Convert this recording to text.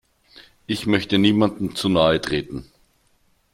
Ich möchte niemandem zu nahe treten.